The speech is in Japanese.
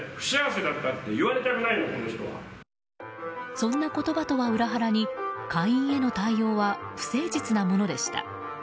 そんな言葉とは裏腹に会員への対応は不誠実なものでした。